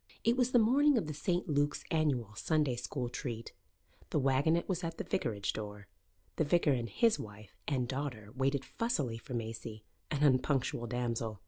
It was the morning of the St. Luke's annual Sunday school treat. The waggonette was at the vicarage door. The vicar and his wife and daughter waited fussily for Maisie, an unpunctual damsel.